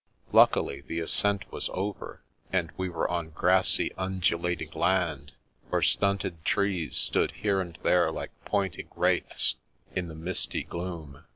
Luckily, the ascent was over, and we were on grassy, undulating land where stunted trees stood here and there like pointing wraiths in the misty gloom.